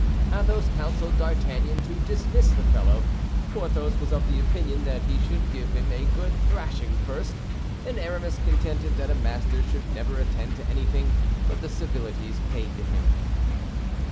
Athos counseled D'Artagnan to dismiss the fellow; Porthos was of the opinion that he should give him a good thrashing first; and Aramis contended that a master should never attend to anything but the civilities paid to him.